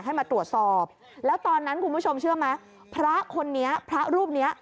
ให้มาตรวจสอบแล้วตอนนั้นคุณผู้ชมเชื่อไหมพระคนนี้พระรูปเนี้ย